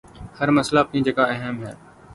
ہر مسئلہ اپنی جگہ اہم ہے۔